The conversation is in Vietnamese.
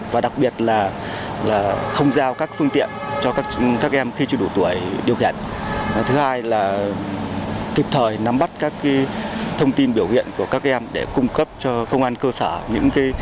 và đặc biệt là không giao các phương tiện